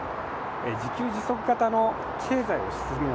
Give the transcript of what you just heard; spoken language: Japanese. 自給自足型の経済を進め